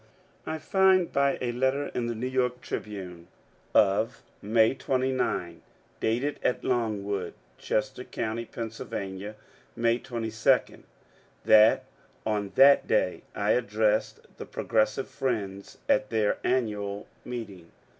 I find by a letter in the New York " Tribune " of May 29, dated at Longwood, Chester County, Pa., May 22, that on that day I addressed the Progressive Friends at their annual meeting.